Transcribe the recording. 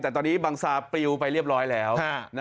แต่ตอนนี้บังซาปริวไปเรียบร้อยแล้ว